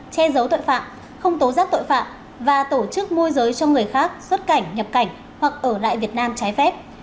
che giấu tội phạm không tố giác tội phạm và tổ chức môi giới cho người khác xuất cảnh nhập cảnh hoặc ở lại việt nam trái phép